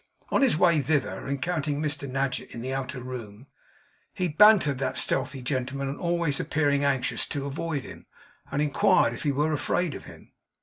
On his way thither, encountering Mr Nadgett in the outer room, he bantered that stealthy gentleman on always appearing anxious to avoid him, and inquired if he were afraid of him.